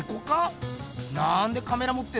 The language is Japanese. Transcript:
なんでカメラもってんだ？